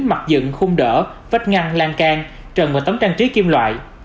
mặt dựng khung đỡ vách ngăn lan can trần vào tấm trang trí kim loại